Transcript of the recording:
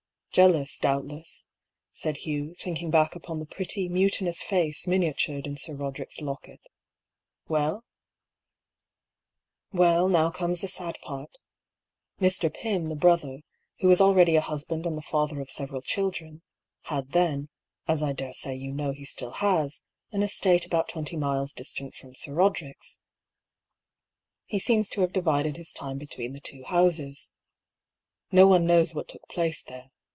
"Jealous, doubtless," said Hugh, thinking back upon the pretty, mutinous face, miniatured in Sir Roderick's locket. " Well ?" "Well, now comes the sad part. Mr. Pym, the brother, who was already a husband and the father of several children, had then, as I daresay you know he still has, an estate about twenty miles distant from Sir Roderick's. He seems to have divided his time between A STARTLING PROPOSAL. 87 the two houses. No one knows what took place there.